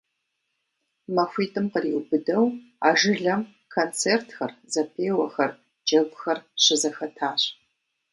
Махуитӏым къриубыдэу а жылэм концертхэр, зэпеуэхэр, джэгухэр щызэхэтащ.